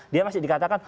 dia masih dikatakan